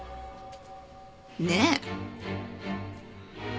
ねえ？